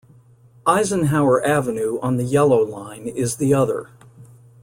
Eisenhower Avenue on the Yellow Line is the other.